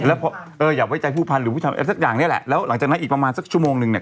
แล้วเอออย่าไว้ใจผู้พันธ์หรือผู้ทำอะไรสักอย่างเนี่ยแหละแล้วหลังจากนั้นอีกประมาณสักชั่วโมงนึงเนี่ย